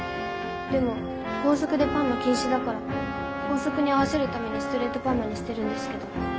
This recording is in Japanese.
でも校則でパーマ禁止だから校則に合わせるためにストレートパーマにしてるんですけど。